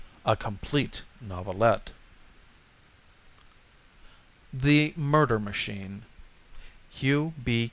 _ (A Complete Novelette.) THE MURDER MACHINE HUGH B.